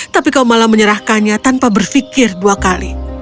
tapi kau malah menyerahkannya tanpa berpikir dua kali